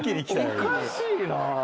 おかしいなぁ。